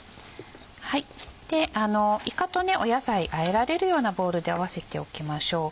いかと野菜あえられるようなボウルで合わせておきましょう。